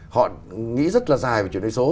họ nghĩ rất là dài về chuyển đổi số